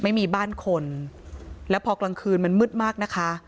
ไม่มีบ้านคนแล้วพอกลางคืนมันมืดมากนะคะ